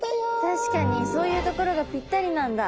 確かにそういう所がぴったりなんだ。